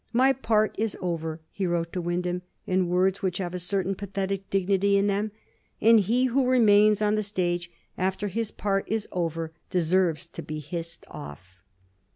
My part is over," he wrote to Wynd ham, in words which have a certain pathetic dignity in them, '^ and he who remains on the stage after his part is over deserves to be hissed oflp."